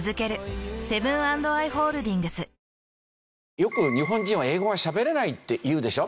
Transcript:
よく日本人は英語がしゃべれないっていうでしょ。